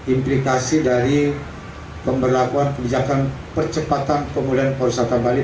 implikasi dari pemberlakuan kebijakan percepatan pemulihan para wisata bali